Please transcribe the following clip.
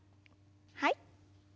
はい。